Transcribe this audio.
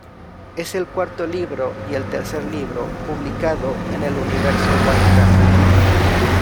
Es el cuarto libro y el tercer libro publicado en el Universo Warcraft.